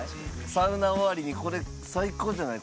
サウナ終わりにこれ最高じゃない？